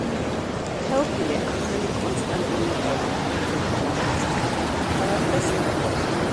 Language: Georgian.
თეოფილე ახალი კონსტანტინეპოლელი, ბერძენთა ლაშქრის მხედართმთავარი და სენატორი იყო.